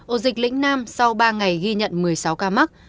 ổ dịch lĩnh nam sau ba ngày ghi nhận một mươi sáu ca mắc